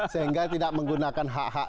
sehingga tidak menggunakan hak hak